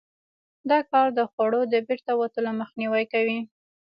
دا کار د خوړو د بیرته وتلو مخنیوی کوي.